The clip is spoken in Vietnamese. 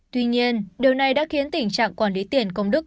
tuy nhiên điều này đã khiến tình trạng quản lý tiền công đức